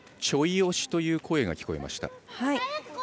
ちょい押しという声が聞こえました。